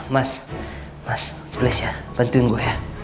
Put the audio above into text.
mas mas please ya bantuin gue ya